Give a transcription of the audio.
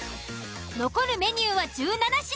残るメニューは１７品。